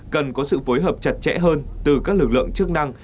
cần có sự phối hợp chặt chẽ hơn từ các lực lượng chức năng